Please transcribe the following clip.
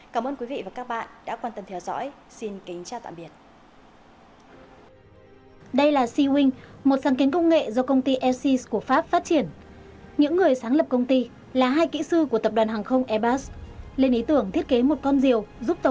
cảm ơn quý vị và các bạn đã quan tâm theo dõi xin kính chào tạm biệt